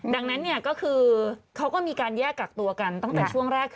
ดังนั้นก็คือเขาก็มีการแยกกักตัวกันตั้งแต่ช่วงแรก